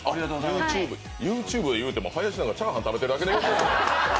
ＹｏｕＴｕｂｅ言うても林さんがチャーハン食べてるだけなんですけど。